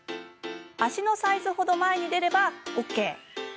足のサイズほど前に出ればＯＫ。